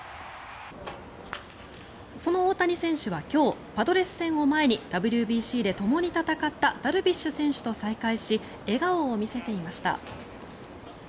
その大谷選手は今日パドレス戦を前にＷＢＣでともに戦ったダルビッシュ選手と再会し笑顔を見せていました。